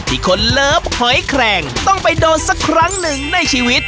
ที่คนเลิฟหอยแคลงต้องไปโดนสักครั้งหนึ่งในชีวิต